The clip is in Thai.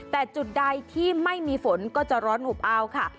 แต่จุดใดที่ไม่มีฝนก็จะร้อนอบอ้าวค่ะ